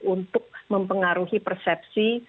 untuk mempengaruhi persepsi